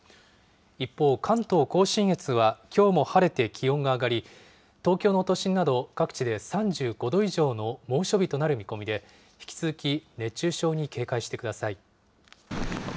一方、関東甲信越はきょうも晴れて気温が上がり、東京の都心など各地で３５度以上の猛暑日となる見込みで、引き続き熱中症に警戒してください。